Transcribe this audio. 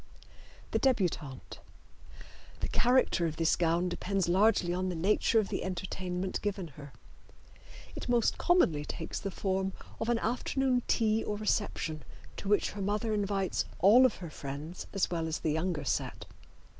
The Debutante. The character of this gown depends largely on the nature of the entertainment given her. It most commonly takes the form of an afternoon tea or reception to which her mother invites all of her friends as well as the younger set.